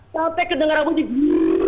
sampai kedengeranmu ini